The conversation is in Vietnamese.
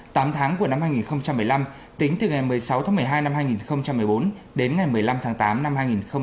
tám tháng của năm hai nghìn một mươi năm tính từ ngày một mươi sáu tháng một mươi hai năm hai nghìn một mươi bốn đến ngày một mươi năm tháng tám năm hai nghìn một mươi chín